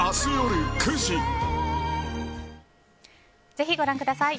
ぜひご覧ください。